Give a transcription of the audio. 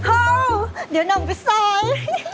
โอ้เดี๋ยวน้องไปซ่อย